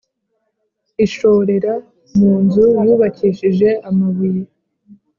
ishorera mu nzu yubakishijwe amabuye